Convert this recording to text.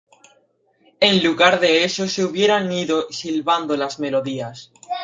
En lugar de eso, se hubieran ido silbando las melodías".